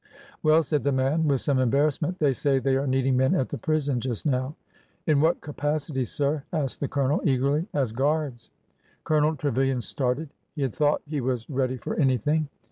" "Well," said the man, with some embarrassment, " they say they are needing men at the prison just now." " In what capacity, sir ?" asked the Colonel, eagerly. "As guards." Colonel Trevilian started. He had thought he was ready for anything.